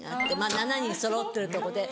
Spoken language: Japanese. ７人そろってるとこで。